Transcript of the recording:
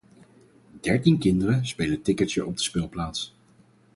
Dertien kinderen spelen tikkertje op de speelplaats.